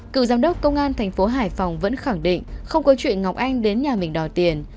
cựu giám đốc công an thành phố hải phòng vẫn khẳng định không có chuyện ngọc anh đến nhà mình đòi tiền